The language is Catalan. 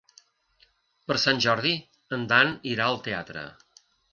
Per Sant Jordi en Dan irà al teatre.